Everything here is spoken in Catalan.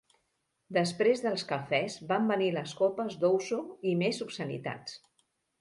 Després dels cafès van venir les copes d'ouzo i més obscenitats.